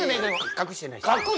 隠してないです。